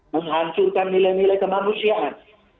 menghancurkan nilai nilai kemanusiaan